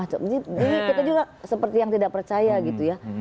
jadi kita juga seperti yang tidak percaya gitu ya